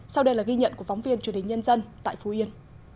sau đây là ghi nhận của phóng viên truyền hình nhân dân tại phú yên